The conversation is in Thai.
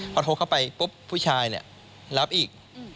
พอโทรเข้าไปปุ๊บผู้ชายเนี่ยรับอีก